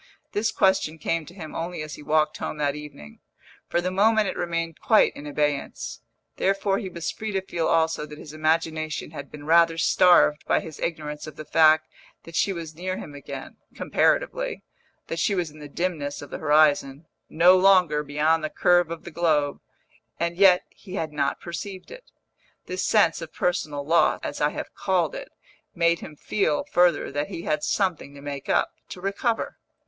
This question came to him only as he walked home that evening; for the moment it remained quite in abeyance: therefore he was free to feel also that his imagination had been rather starved by his ignorance of the fact that she was near him again (comparatively), that she was in the dimness of the horizon (no longer beyond the curve of the globe), and yet he had not perceived it. This sense of personal loss, as I have called it, made him feel, further, that he had something to make up, to recover.